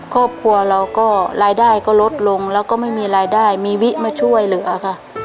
ครอบครัวเราก็รายได้ก็ลดลงแล้วก็ไม่มีรายได้มีวิมาช่วยเหลือค่ะ